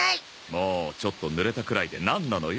もうちょっとぬれたくらいでなんなのよ！